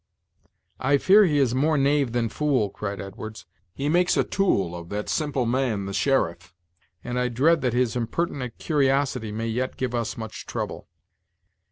"I fear he is more knave than fool," cried Edwards; "he makes a tool of, that simple man, the sheriff; and I dread that his impertinent curiosity may yet give us much trouble."